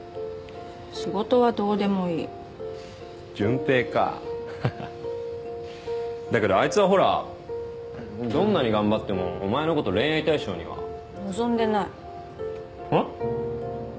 仕事はどうでもいい純平かはははっだけどあいつはほらどんなに頑張ってもお前のこと恋愛対象には望んでないはっ？